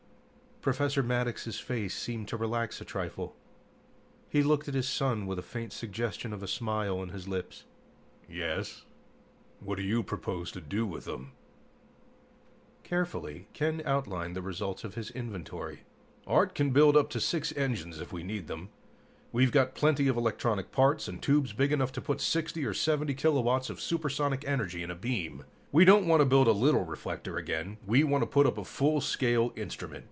Professor Maddox's face seemed to relax a trifle. He looked at his son with a faint suggestion of a smile on his lips. "Yes? What do you propose to do with them?" Carefully, then, Ken outlined the results of his inventory. "Art can build up to six engines, if we need them. We've got plenty of electronic parts, and tubes big enough to put 60 or 70 kilowatts of supersonic energy in a beam. We don't want to build a little reflector again; we want to put up a full scale instrument.